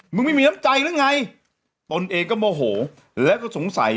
ไม่มีน้ำใจหรือไงตนเองก็โมโหแล้วก็สงสัย